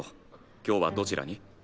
今日はどちらに？